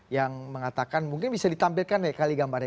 yang mengatakan mungkin bisa ditampilkan ya kali gambarnya